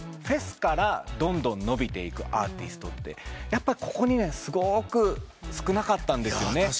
フェスからどんどん伸びていくアーティストってやっぱここ２年すごく少なかったんですよね。